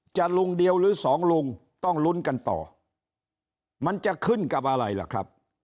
ลุงเดียวหรือสองลุงต้องลุ้นกันต่อมันจะขึ้นกับอะไรล่ะครับ